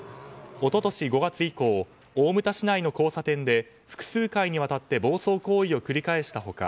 一昨年５月以降大牟田市内の交差点で複数回にわたって暴走行為を繰り返した他